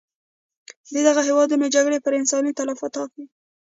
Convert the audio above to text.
د دغه هېوادونو جګړې پر انساني تلفاتو کېږي.